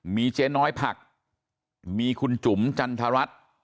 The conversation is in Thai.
มีเจ๊น้อยผักมีคุณจุ๋มจันทรัศน์